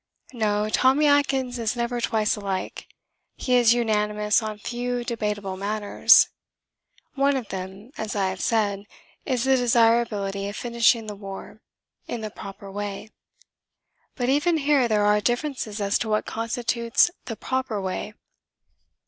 No; Tommy Atkins is never twice alike. He is unanimous on few debatable matters. One of them, as I have said, is the desirability of finishing the war in the proper way. (But even here there are differences as to what constitutes the proper way.)